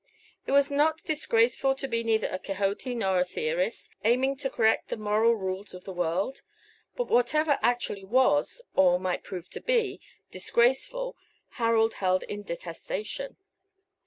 It was not disgraceful to be neither a Quixote nor a theorist, aiming to correct the moral rules of the world: but whatever actually was, or might prove to be, disgraceful, Harold held in detestation.